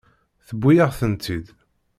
Tewwi-yaɣ-tent-id.